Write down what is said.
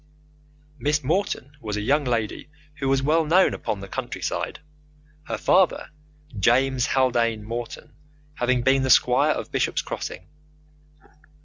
Miss Morton was a young lady who was well known upon the country side, her father, James Haldane Morton, having been the Squire of Bishop's Crossing.